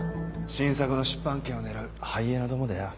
新作の出版権を狙うハイエナ共だよ。